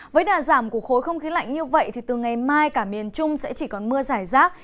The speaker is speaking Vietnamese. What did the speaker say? với đà giảm của khối không khí lạnh như vậy thì từ ngày mai cả miền trung sẽ chỉ còn mưa giải rác